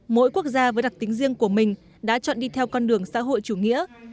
mỗi quốc gia với đặc tính riêng của mình đã chọn đi theo con đường xã hội chủ nghĩa